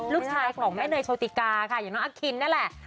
ลูกชายของแม่เนยโชติกาค่ะอย่างน้องอคินนั่นแหละ